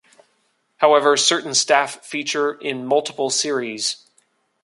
However, certain staff feature in multiple series.